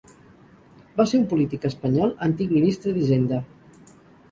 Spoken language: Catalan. Va ser un polític espanyol, antic Ministre d'Hisenda.